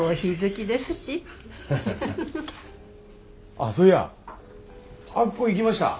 あっそういやあっこ行きました？